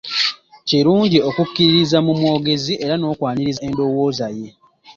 Kirungi okukkiririza mu mwogezi era n'okwaniriza endowooza ye.